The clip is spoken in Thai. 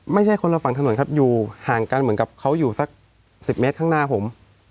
ไม่ใช่คนละฝั่งถนนครับอยู่ห่างกันเหมือนกับเขาอยู่สัก๑๐เมตรข้างหน้าผม